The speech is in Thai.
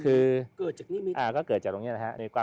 เกิดจากนิเมียก็เกิดจากตรงนี้นะฮะ